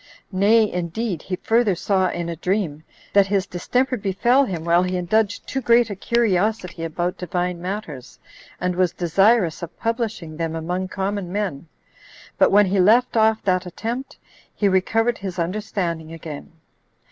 Nay, indeed, he further saw in a dream, that his distemper befell him while he indulged too great a curiosity about Divine matters, and was desirous of publishing them among common men; but when he left off that attempt, he recovered his understanding again.